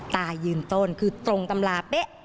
ตายืนต้นคือตรงตำราเป๊ะ